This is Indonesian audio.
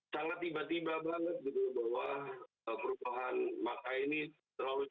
sangat tiba tiba banget gitu bahwa perubahan mark ai ini terlalu banyak